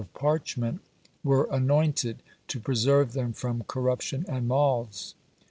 of parchment were anointed, to preserve them from corruption and moths.